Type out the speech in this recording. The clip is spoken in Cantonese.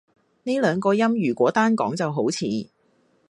呢兩個音如果單講就好似